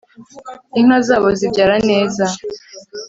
Inka zabo zibyara neza